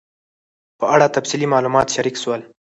په اړه تفصیلي معلومات شریک سول